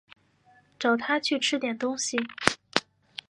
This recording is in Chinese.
找她去吃点东西